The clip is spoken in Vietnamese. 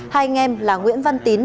hai anh em là nguyễn văn tín